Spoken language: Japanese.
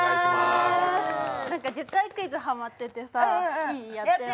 １０回クイズ、ハマっててさ、いい、やっても？